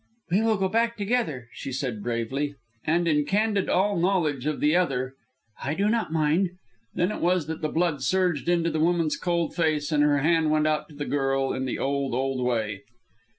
"We will go back together," she said, bravely. And in candid all knowledge of the other, "I do not mind." Then it was that the blood surged into the woman's cold face, and her hand went out to the girl in the old, old way.